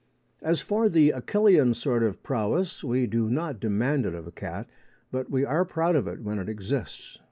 As for the Achillean sort of prowess, we do not demand it of a cat, but we are proud of it when it exists.